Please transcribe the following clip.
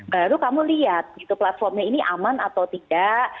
baru kamu lihat platformnya ini aman atau tidak